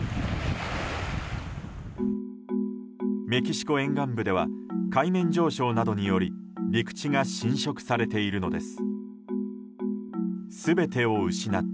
メキシコ沿岸部では海面上昇などにより陸地が浸食されているのです。